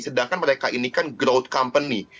sedangkan mereka ini kan growth company